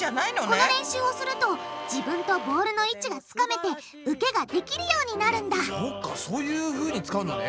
この練習をすると自分とボールの位置がつかめて受けができるようになるんだそっかそういうふうに使うんだね。